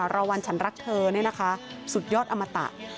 รางวัลฉันรักเธอสุดยอดอมตะ